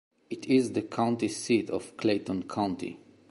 It is the county seat of Clayton County.